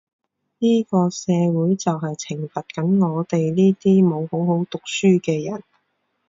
呢個社會就係懲罰緊我哋呢啲冇好好讀書嘅人